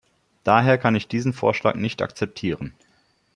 Daher kann ich diesen Vorschlag nicht akzeptieren.